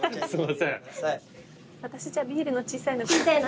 私じゃあビールの小さいので。